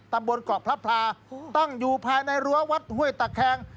ตำบลเกาะพระพลาตั้งอยู่ภายในรั้ววัดห้วยตะแคง